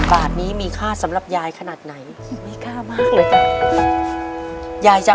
เป็นค่าย้านะจ้ะ